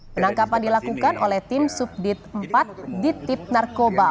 penangkapan dilakukan oleh tim subdit empat di tip narkoba